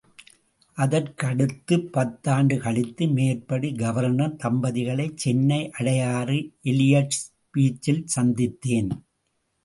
அதற்கடுத்து பத்தாண்டு கழித்து மேற்படி கவர்னர் தம்பதிகளை சென்னை அடையாறு எலியட்ஸ் பீச்சில் சந்தித்தேன்.